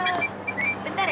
eeeh bentar ya